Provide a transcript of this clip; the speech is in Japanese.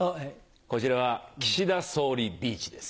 こちらは岸田総理ビーチです。